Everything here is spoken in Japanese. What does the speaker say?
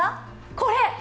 これ！